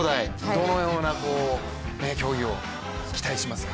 どのような競技を期待しますか？